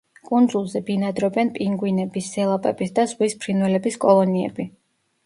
კუნძულზე ბინადრობენ პინგვინების, სელაპების და ზღვის ფრინველების კოლონიები.